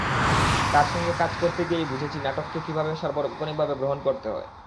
তাঁর সঙ্গে কাজ করতে গিয়েই বুঝেছি নাটককে কীভাবে সার্বক্ষণিকভাবে গ্রহণ করতে হয়।